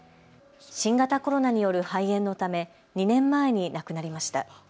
新型コロナによる肺炎のため２年前に亡くなりました。